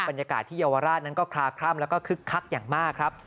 บรรยากาศที่เยาวราชนั้นก็คลาคล่ำแล้วก็คึกคักอย่างมากครับ